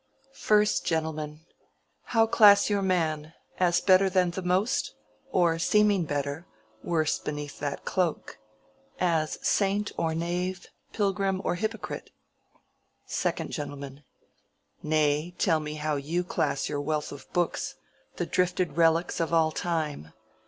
1_st Gent_. How class your man?—as better than the most, Or, seeming better, worse beneath that cloak? As saint or knave, pilgrim or hypocrite? 2_d Gent_. Nay, tell me how you class your wealth of books The drifted relics of all time.